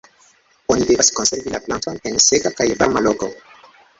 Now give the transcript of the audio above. Oni devas konservi la planton en seka kaj varma loko.